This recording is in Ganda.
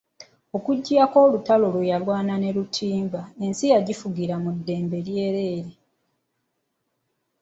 Okuggyako olutalo lwe yalwana ne Lutimba, ensi yagifugira mu ddembe jjereere.